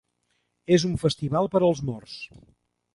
És un festival per als morts.